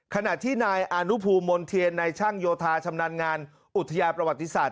ขณะที่นายอนุภูมิมนเทียนนายช่างโยธาชำนาญงานอุทยาประวัติศาสต